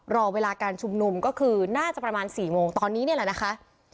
รอเวลาการชุมนุมก็คือน่าจะประมาณ๔โมงตอนนี้นี่แหละนะคะ